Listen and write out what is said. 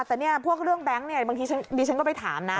ใช่ค่ะแต่พวกเรื่องแบงค์บางทีดีชั้นก็ไปถามนะ